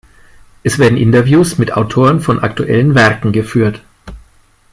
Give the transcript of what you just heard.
Es werden Interviews mit Autoren von aktuellen Werken geführt.